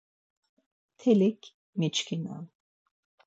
Mtelik miçkinan.